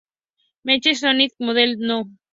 Mecha Sonic Model No.